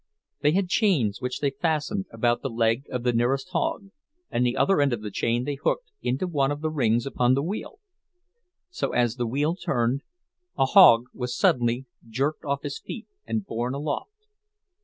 They had chains which they fastened about the leg of the nearest hog, and the other end of the chain they hooked into one of the rings upon the wheel. So, as the wheel turned, a hog was suddenly jerked off his feet and borne aloft.